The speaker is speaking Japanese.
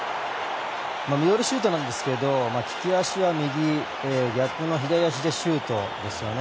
ミドルシュートなんですけど利き足は右で逆の左足でシュートですよね。